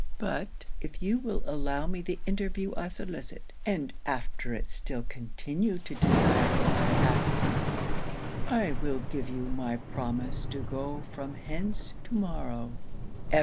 'But if you will allow me the interview I solicit, and after it still continue to desire my absence, I will give you my promise to go from hence to morrow.